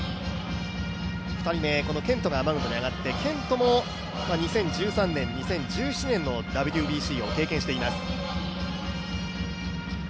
２人目、ケントがマウンドに上がって、ケントも２０１３年、２０１７年のＷＢＣを経験しています。